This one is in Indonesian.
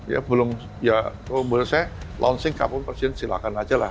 ya belum ya kalau menurut saya launching kapan presiden silakan aja lah